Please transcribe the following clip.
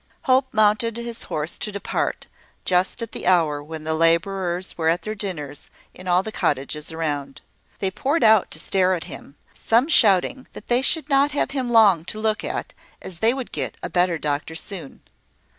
Hope mounted his horse to depart, just at the hour when the labourers were at their dinners in all the cottages around. They poured out to stare at him, some shouting that they should not have him long to look at, as they would get a better doctor soon.